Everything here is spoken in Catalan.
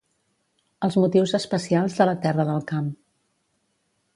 Els motius espacials del terra del camp.